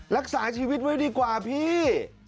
รักษาชีวิตไว้ดีกว่าพี่